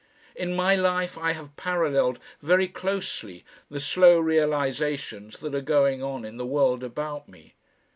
In my life I have paralleled very closely the slow realisations that are going on in the world about me.